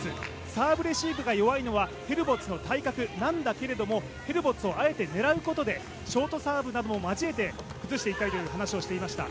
サーブレシーブが弱いのはヘルボッツの体格なんだけれどもヘルボッツをあえて狙うことでショートサーブも交えて崩していきたいという話をしていました。